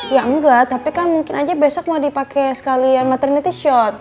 ya enggak tapi kan mungkin aja besok mau dipakai sekalian materinity shot